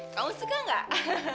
kamu suka nggak